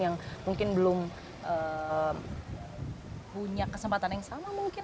yang mungkin belum punya kesempatan yang sama mungkin